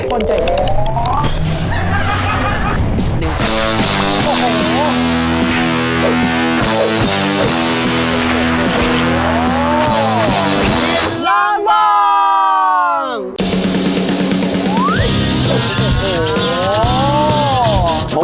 กินลังบ้าง